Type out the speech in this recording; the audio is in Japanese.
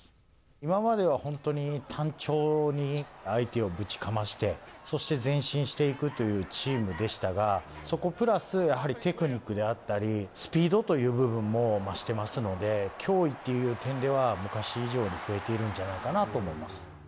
今までは本当に単調に相手をぶちかまして、そして前進していくというチームでしたが、そこプラス、やはりテクニックであったり、スピードという部分も増してますので、脅威という点では昔以上に増えているんじゃないかなと思います。